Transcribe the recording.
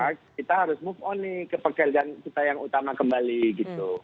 kita harus move on nih ke pekerjaan kita yang utama kembali gitu